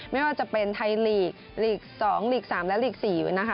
ไม่ว่าจะเป็นไทยลีกลีก๒ลีก๓และลีก๔นะคะ